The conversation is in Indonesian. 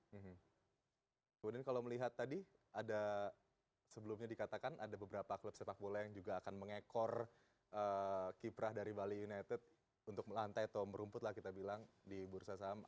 kemudian kalau melihat tadi ada sebelumnya dikatakan ada beberapa klub sepak bola yang juga akan mengekor kiprah dari bali united untuk melantai atau merumput lah kita bilang di bursa saham